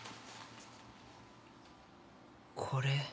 これ。